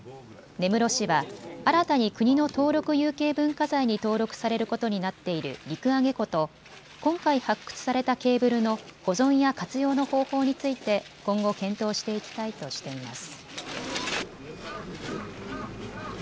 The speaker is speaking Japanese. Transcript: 根室市は新たに国の登録有形文化財に登録されることになっている陸揚庫と今回発掘されたケーブルの保存や活用の方法について今後、検討していきたいとしています。